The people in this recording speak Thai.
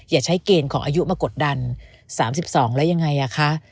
อย่าใช้เกณฑ์ของอายุมากดดัน๓๒แล้วยังไงคะ